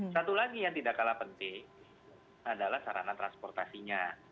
satu lagi yang tidak kalah penting adalah sarana transportasinya